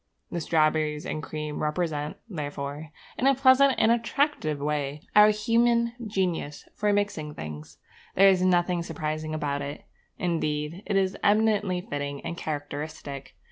The strawberries and cream represent, therefore, in a pleasant and attractive way, our human genius for mixing things. There is nothing surprising about it. Indeed, it is eminently fitting and characteristic.